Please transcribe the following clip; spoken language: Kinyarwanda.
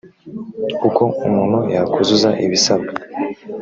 uko umuntu yakuzuza ibisabwa